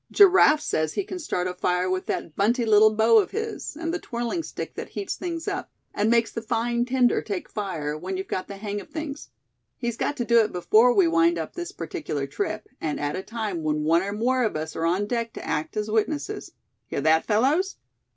"Giraffe says he can start a fire with that bunty little bow of his, and the twirling stick that heats things up, and makes the fine tinder take fire when you've got the hang of things. He's got to do it before we wind up this particular trip; and at a time when one or more of us are on deck to act as witnesses. Hear that, fellows?"